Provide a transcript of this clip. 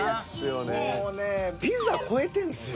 もうねピザ超えてるんすよ。